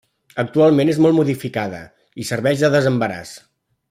Actualment és molt modificada i serveix de desembaràs.